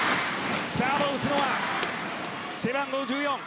サーブを打つのは、背番号１４